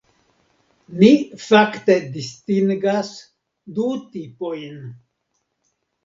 Ni fakte distingas du tipojn.